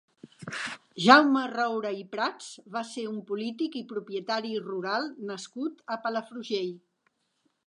Jaume Roure i Prats va ser un polític i propietari rural nascut a Palafrugell.